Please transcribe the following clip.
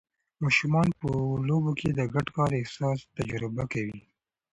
ماشومان په لوبو کې د ګډ کار احساس تجربه کوي.